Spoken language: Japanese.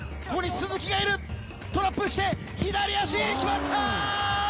ここに鈴木がいる、トラップして左足、決まった！